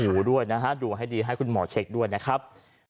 อยู่ด้วยนะฮะดูให้ดีให้คุณหมอเช็คด้วยนะครับ